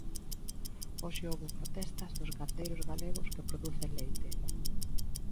Hoxe houbo protesta dos gandeiros galegos que producen leite.